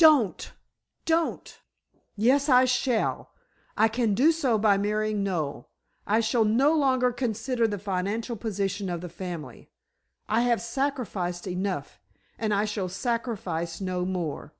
No! No! Don't don't " "Yes, I shall. I can do so by marrying Noel. I shall no longer consider the financial position of the family. I have sacrificed enough, and I shall sacrifice no more.